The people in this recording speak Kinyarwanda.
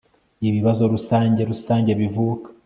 ibibazo rusange rusange bivuka